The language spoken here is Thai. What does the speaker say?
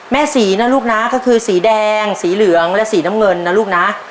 สีนะลูกนะก็คือสีแดงสีเหลืองและสีน้ำเงินนะลูกนะ